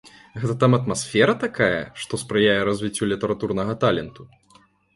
Гэта там атмасфера такая, што спрыяе развіццю літаратурнага таленту?